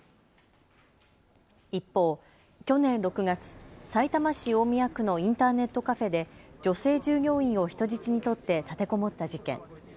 一方、去年６月、さいたま市大宮区のインターネットカフェで女性従業員を人質に取って立てこもった事件。